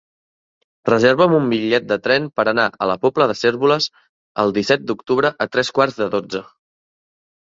Reserva'm un bitllet de tren per anar a la Pobla de Cérvoles el disset d'octubre a tres quarts de dotze.